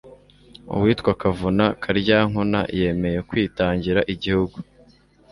uwitwa Kavuna Karyankuna yemeye kwitangira igihugu,